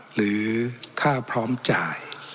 หรือถ้าพร้อมจ่าย